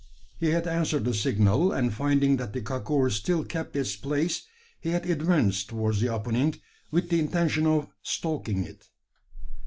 He had answered the signal; and finding that the kakur still kept its place, he had advanced toward the opening with the intention of stalking it.